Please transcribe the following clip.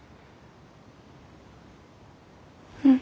うん。